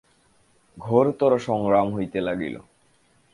ঘোরতর সংগ্রাম হইতে লাগিল।